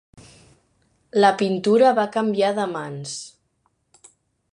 La pintura va canviar de mans.